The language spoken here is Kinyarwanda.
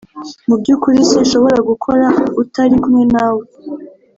mubyukuri sinshobora gukora utari kumwe nawe,